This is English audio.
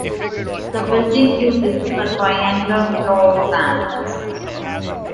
The building uses a triangular floor plan.